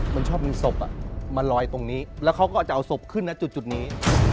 มันชอบมีศพมาลอยตรงนี้แล้วเขาก็จะเอาศพขึ้นนะจุดนี้